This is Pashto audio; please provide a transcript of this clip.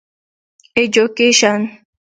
ايجوکيشن